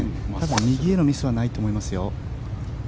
右へのミスはないと思いますよ。